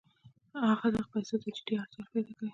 هغه دغو پیسو ته جدي اړتیا پیدا کوي